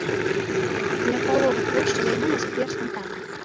Каля паловы плошчы займае сквер з фантанамі.